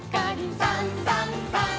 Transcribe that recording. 「さんさんさん」